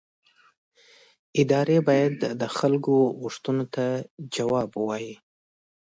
ادارې باید د خلکو غوښتنو ته ځواب ووایي